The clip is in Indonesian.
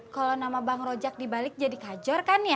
kalau nama bang rojak dibalik jadi kajor kan ya